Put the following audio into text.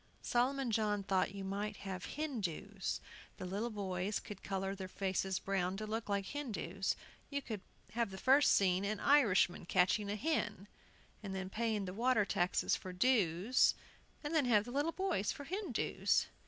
Solomon John thought you might have "Hindoos"; the little boys could color their faces brown, to look like Hindoos. You could have the first scene an Irishman catching a hen, and then paying the water taxes for "dues," and then have the little boys for Hindoos.